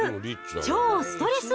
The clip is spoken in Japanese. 超ストレス